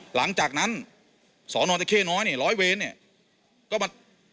หลังจากนั้นสอนอตะเข้น้อยเนี่ยร้อยเวรเนี่ยก็มา